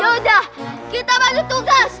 yaudah kita bantu tugas